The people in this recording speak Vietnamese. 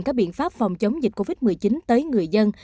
các biện pháp phòng chống dịch covid một mươi chín tới người dân